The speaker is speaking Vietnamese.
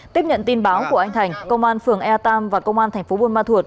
tiếp nhận tin báo của anh thành công an phường ea tam và công an thành phố buôn ma thuột